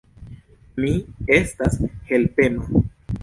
Mi estas helpema.